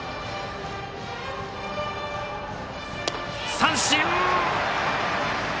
三振！